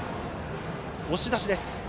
押し出しです。